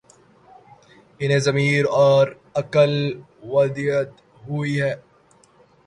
انہیں ضمیر اور عقل ودیعت ہوئی ہی